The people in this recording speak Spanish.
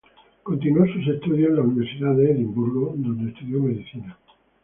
Continuó sus estudios en la Universidad de Edimburgo, donde estudió medicina.